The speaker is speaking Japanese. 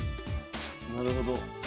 なるほど。